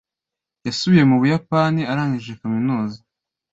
Yasubiye mu Buyapani arangije kaminuza.